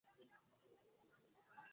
আচ্ছা, সেটা তো এখনই পরিবর্তন করে দিচ্ছি।